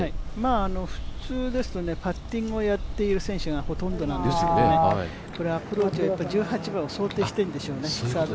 普通ですと、パッティングをやっている選手がほとんどなんですけどこれはアプローチは１８番を想定しているんでしょうね。